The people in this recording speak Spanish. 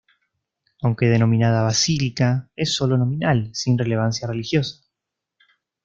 Aunque denominada basílica, es solo nominal, sin relevancia religiosa.